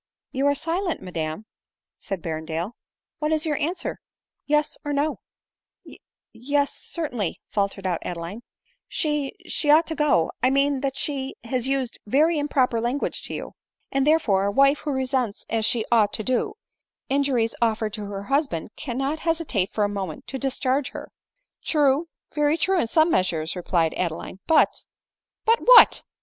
v " You are silent, madam," said Berrendale ;" what is your answer ? Yes, or No ?"" Ye — yes — certainly," faltered out Adeline ;" she — she ought to go— J mean that she has used very im proper language to you." " And, therefore, a wife who resents as she ought to do, injuries offered to her husband, cannot hesitate for a moment to discharge her." " True, very true in some measure," replied Adeline ;« but "" But what ?"